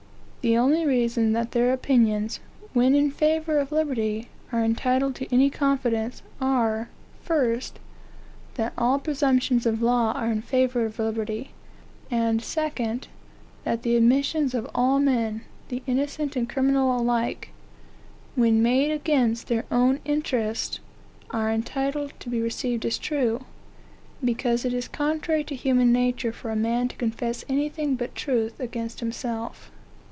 The only reasons that their opinions, when in favor of liberty, are entitled to any confidence, are, first, that all presumptions of law are in favor of liberty; and, second, that the admissions of all men, the innocent and the criminal alike, when made against their own interests, are entitled to be received as true, because it is contrary to human nature for a man to confess anything but truth against himself.